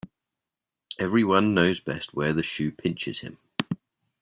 Every one knows best where the shoe pinches him.